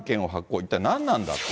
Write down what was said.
一体何なんだと。